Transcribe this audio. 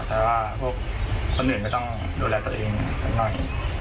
แต่ว่าพวกคนอื่นก็ต้องดูแลตัวเองสักหน่อย